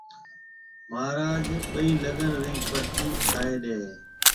مھاراج ٻيَ لڳن رَي پريچيَ ٺائيَ ڏَي ھيَََ